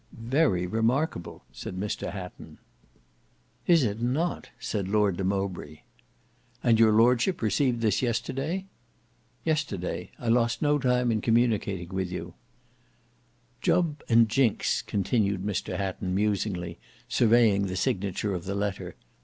"Very remarkable!" said Mr Hatton. "Is it not!" said Lord de Mowbray. "And your Lordship received this yesterday?" "Yesterday. I lost no time in communicating with you." "Jubb and Jinks," continued Mr Hatton, musingly, surveying the signature of the letter.